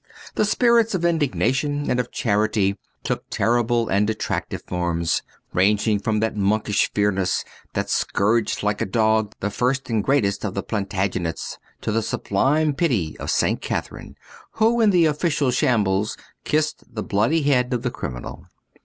The spirits of indignation and of charity took terrible and attractive forms, ranging from that monkish fierceness that scourged like a dog the first and greatest of the Plantagenets, to the sublime pity of St. Catherine, who, in the official shambles, kissed the bloody head of the criminal.